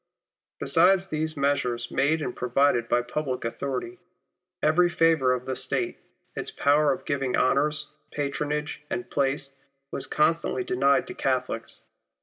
Besides these measures made and pro vided by public authority, every favour of the State, its power of giving honours, patronage and place, was constantly denied to Catholics.